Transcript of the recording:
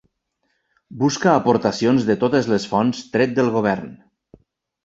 Busca aportacions de totes les fonts tret del govern.